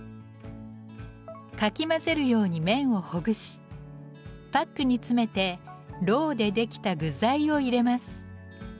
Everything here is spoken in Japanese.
かき混ぜるように麺をほぐしパックに詰めて蝋でできた具材を入れます。